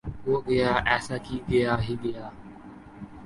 وہ گیا ایسا کی گیا ہی گیا